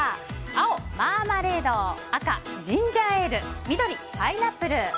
青、マーマレード赤、ジンジャーエール緑、パイナップル。